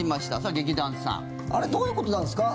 あれどういうことなんですか？